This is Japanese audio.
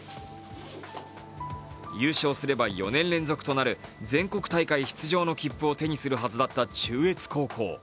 優勝すれば４年連続となる全国大会出場の切符を手にするはずだった中越高校。